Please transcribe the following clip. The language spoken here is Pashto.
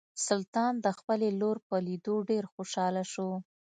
سلطان د خپلې لور په لیدو ډیر خوشحاله شو.